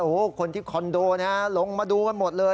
โอ้โหคนที่คอนโดนะฮะลงมาดูกันหมดเลย